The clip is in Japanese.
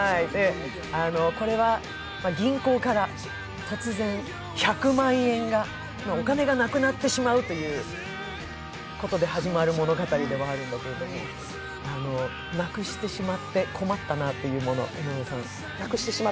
これは、銀行から突然１００万円がお金がなくなってしまうということで始まる物語でもあるのでなくしてしまって困ったものって？